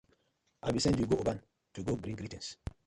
I been sen yu go Oban to go bring greetins.